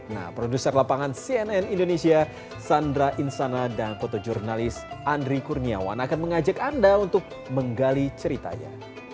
nah produser lapangan cnn indonesia sandra insana dan fotojurnalis andri kurniawan akan mengajak anda untuk menggali ceritanya